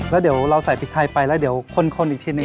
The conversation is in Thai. แล้วเดี๋ยวเราใส่พริกไทยไปแล้วเดี๋ยวคนอีกทีนึ